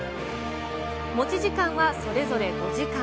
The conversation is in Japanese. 持ち時間はそれぞれ５時間。